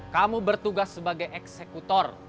kamu bertugas sebagai eksekutor